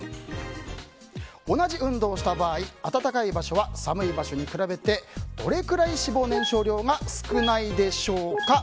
同じ運動をした場合暖かい場所は寒い場所に比べてどれくらい脂肪燃焼量が少ないでしょうか。